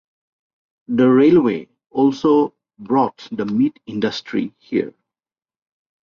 The railway also brought the Meat Industry here.